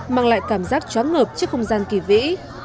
mang lại cảm giác chóng ngợp trước không gian kỳ vĩ